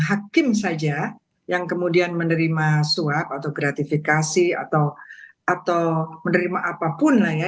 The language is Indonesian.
hakim saja yang kemudian menerima suap atau gratifikasi atau menerima apapun lah ya